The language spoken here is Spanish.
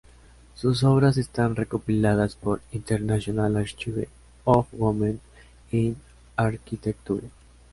Sus obras están recopiladas por International Archive of Women in Architecture.